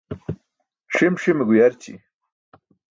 Ṣim ṣime guyarći.